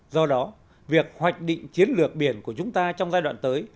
do đó việc hoạch định chiến lược biển của chúng ta trong giai đoạn tới